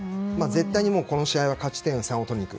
絶対にこの試合は勝ち点３を取りに行く。